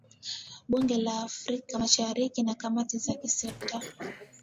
Bunge la Afrika Mashariki na kamati za kisekta